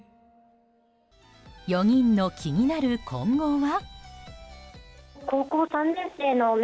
４人の気になる今後は。